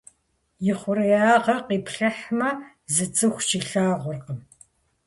Ихъуреягъыр къиплъыхьмэ, зы цӀыху щилъагъуркъым.